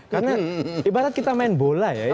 karena ibarat kita main bola ya